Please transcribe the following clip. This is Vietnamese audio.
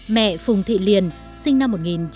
mẹ phùng thị liền sinh năm một nghìn chín trăm một mươi năm